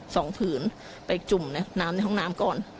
ผืนไปจุ่มในน้ำในห้องน้ำก่อน